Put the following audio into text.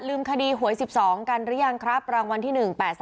ลืมคดีหวย๑๒กันรึยังครับรางวัลที่๑๘๓๕๕๓๘